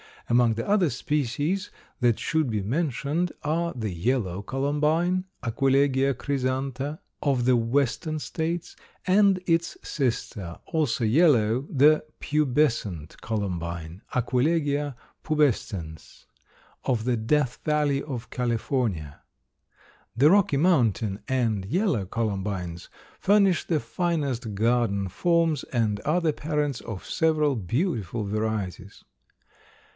Among the other species that should be mentioned are the Yellow Columbine (Aquilegia crysantha) of the Western States, and its sister, also yellow, the Pubescent Columbine (Aquilegia pubescens) of the Death Valley of California. The Rocky Mountain and Yellow Columbines furnish the finest garden forms and are the parents of several beautiful varieties.